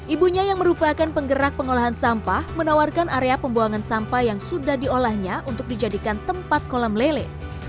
ibunya yang merupakan penggerak pengolahan sampah menawarkan area pembuangan sampah yang sudah diolahnya untuk dijadikan tempat kolam lele